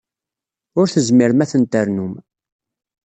Ur tezmirem ara ad ten-ternum.